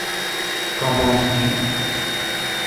Qu’en penses-tu ?